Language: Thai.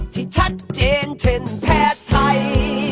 ที่ชัดเจนเช่นแพทย์ไทย